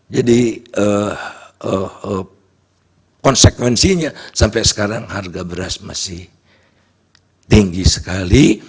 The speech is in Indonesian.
jadi konsekuensinya sampai sekarang harga beras masih tinggi sekali